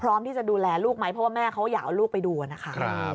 พร้อมที่จะดูแลลูกไหมเพราะว่าแม่เขาอยากเอาลูกไปดูนะคะ